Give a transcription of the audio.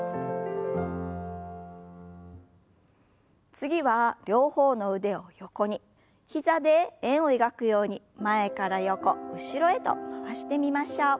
次は両方の腕を横に膝で円を描くように前から横後ろへと回してみましょう。